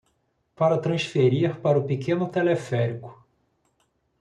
Para transferir para o pequeno teleférico